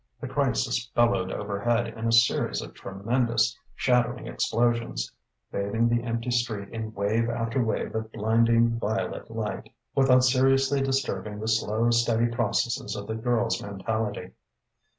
The crisis bellowed overhead in a series of tremendous, shattering explosions, bathing the empty street in wave after wave of blinding violet light, without seriously disturbing the slow, steady processes of the girl's mentality.